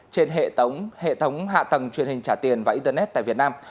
trên hệ tống hạ tầng truyền hình trả tiền và internet tại việt nam